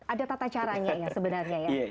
ada tata caranya ya sebenarnya ya